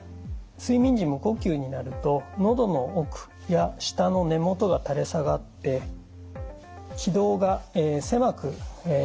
睡眠時無呼吸になるとのどの奥や舌の根もとが垂れ下がって気道が狭くなってきます。